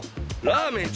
ラーメン